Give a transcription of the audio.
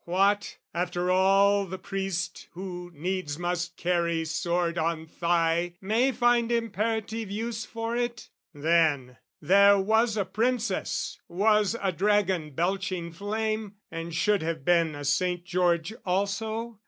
What, after all The priest who needs must carry sword on thigh May find imperative use for it? Then, there was A princess, was a dragon belching flame, And should have been a Saint George also?